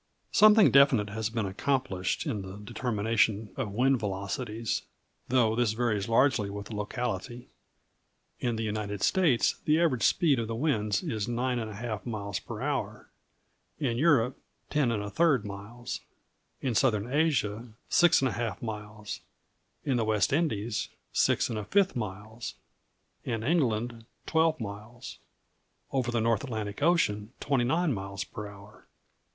Something definite has been accomplished in the determination of wind velocities, though this varies largely with the locality. In the United States the average speed of the winds is 9½ miles per hour; in Europe, 10⅓ miles; in Southern Asia, 6½ miles; in the West Indies, 6⅕ miles; in England, 12 miles; over the North Atlantic Ocean, 29 miles per hour.